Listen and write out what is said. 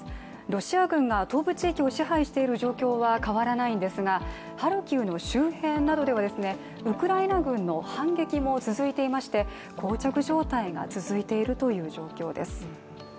ロシア軍が東部地域を支配している状況は変わらないんですが、ハルキウの周辺ではウクライナ軍の反撃も続いていましてこう着状態が続いているという状況です。